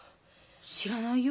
知らないよ。